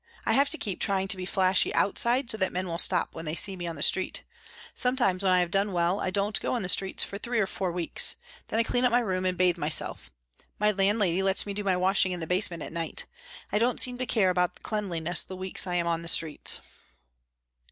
I have to keep trying to be flashy outside so that men will stop when they see me on the street. Sometimes when I have done well I don't go on the streets for three or four weeks. Then I clean up my room and bathe myself. My landlady lets me do my washing in the basement at night. I don't seem to care about cleanliness the weeks I am on the streets."